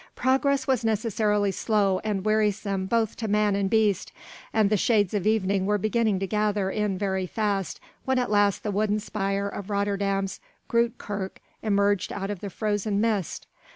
Progress was necessarily slow and wearisome both to man and beast, and the shades of evening were beginning to gather in very fast when at last the wooden spire of Rotterdam's Groote Kerk emerged out of the frozen mist.